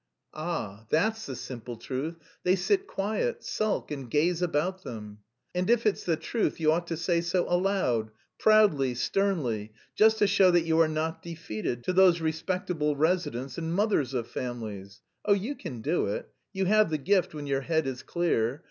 "Ah, that's the simple truth! They sit quiet, sulk and... gaze about them." "And if it's the truth, you ought to say so aloud, proudly, sternly, just to show that you are not defeated, to those respectable residents and mothers of families. Oh, you can do it; you have the gift when your head is clear.